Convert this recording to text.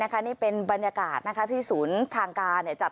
ก็ไม่กลัวเท่านั้นเพราะว่า